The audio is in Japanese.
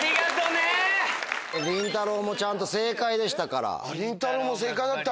りんたろうもちゃんと正解でしたから。